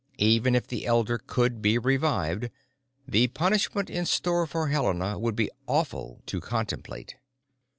Even if the elder could be revived, the punishment in store for Helena would be awful to contemplate....